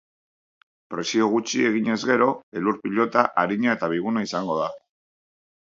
Presio gutxi eginez gero, elur-pilota arina eta biguna izango da.